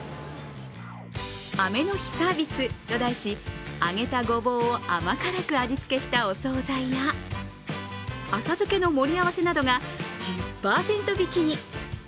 雨の日サービスと題し揚げたごぼうを甘辛く味付けしたお総菜や浅漬けの盛り合わせなどが１０％引きに。